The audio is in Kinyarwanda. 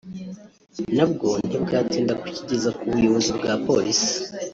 nabwo ntibwatinda kukigeza ku buyobozi bwa Polisi